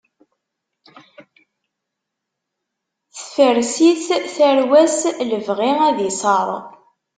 Tefrest-it tarwa-s, lebɣi ad isaṛ.